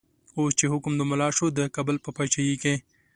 اوس چه حکم د ملا شو، دکابل په پاچایی کی